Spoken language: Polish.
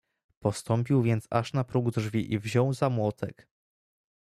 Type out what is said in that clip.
"Postąpił więc aż na próg drzwi i wziął za młotek."